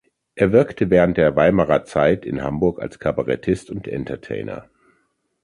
Er wirkte während der Weimarer Zeit in Hamburg als Kabarettist und Entertainer.